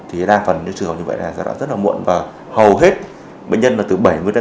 thì đa phần như trường như vậy là giai đoạn rất là muộn và hầu hết bệnh nhân là từ bảy mươi tám mươi